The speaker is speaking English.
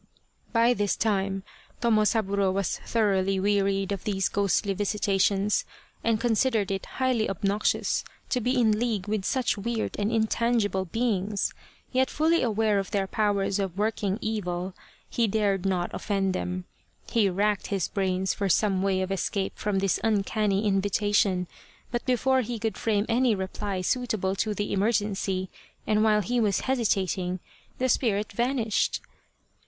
By this time Tomosaburo was thoroughly wearied of these ghostly visitations and considered it highly obnoxious to be in league with such weird and in tangible beings, yet fully aware of their powers of working evil, he dared not offend them. He racked his brains for some way of escape from this uncanny invitation, but before he could frame any reply suit able to the emergency, and while he was hesitating, the spirit vanished.